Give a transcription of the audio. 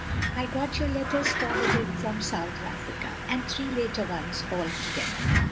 I got your letters forwarded from South Africa, and three later ones, all together.